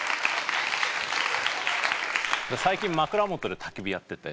最近枕元でたき火やってて。